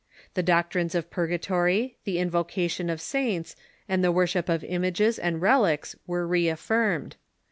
The doctrines of purgatory, the in vocation of saints, and the Avorship of images and relics were reaffirmed.